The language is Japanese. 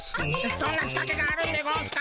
そんな仕かけがあるんでゴンスか。